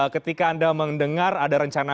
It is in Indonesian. ketika anda mendengar ada rencana